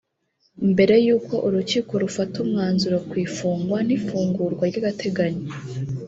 mbere y’uko urukiko rufata umwanzuro ku ifungwa n’ifungurwa ry’agateganyo